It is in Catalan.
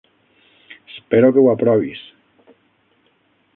Espero que ho aprovis.